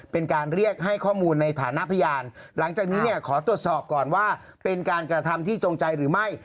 เป็นการกระทำที่จงใจหรือไม่